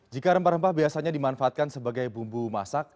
jika rempah rempah biasanya dimanfaatkan sebagai bumbu masak